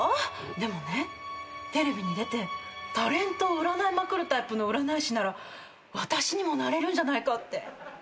でもねテレビに出てタレントを占いまくるタイプの占い師なら私にもなれるんじゃないかって。